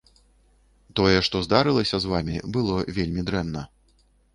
Тое, што здарылася з вамі, было вельмі дрэнна.